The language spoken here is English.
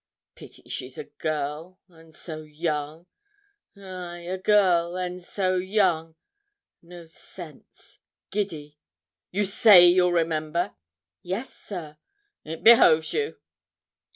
'Pity she's a girl, and so young ay, a girl, and so young no sense giddy. You say, you'll remember?' 'Yes, sir.' 'It behoves you.'